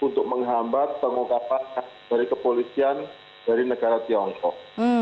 untuk menghambat pengungkapan dari kepolisian dari negara tiongkok